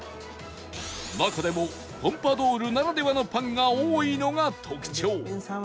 中でもポンパドウルならではのパンが多いのが特徴